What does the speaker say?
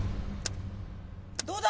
どうだ？